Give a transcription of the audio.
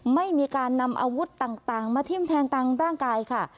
ไม่มีการนำอาวุธต่างมาทิ้มแทงตามร่างกายค่ะ